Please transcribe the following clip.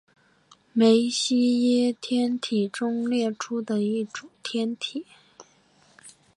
梅西耶天体中列出的一组天体。